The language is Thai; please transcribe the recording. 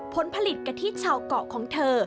ผลผลิตกะทิชาวเกาะของเธอ